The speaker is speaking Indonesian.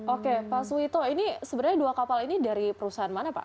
oke pak suwito ini sebenarnya dua kapal ini dari perusahaan mana pak